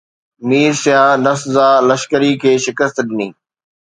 مير سپاه نسزا لشڪريءَ کي شڪست ڏني